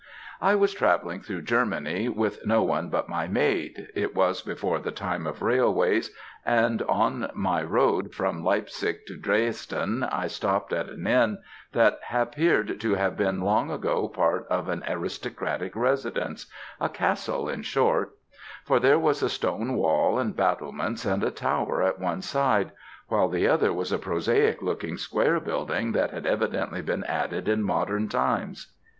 "I was travelling through Germany, with no one but my maid it was before the time of railways, and on my road from Leipsic to Dresden, I stopt at an inn that appeared to have been long ago part of an aristocratic residence a castle in short; for there was a stone wall and battlements, and a tower at one side; while the other was a prosaic looking, square building that had evidently been added in modern times.